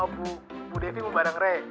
bu bu devi mau bareng re